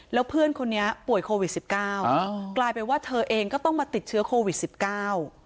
แล้วเพื่อนคนนี้ป่วยโควิดสิบเก้าอ่ากลายเป็นว่าเธอเองก็ต้องมาติดเชื้อโควิดสิบเก้า